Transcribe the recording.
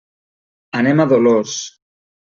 Anem a Dolors.